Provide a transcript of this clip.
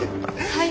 はい。